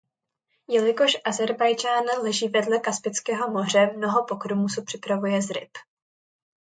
Jelikož Ázerbájdžán leží vedle Kaspického moře mnoho pokrmů se připravuje z ryb.